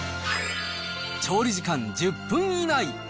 調理時間１０分以内。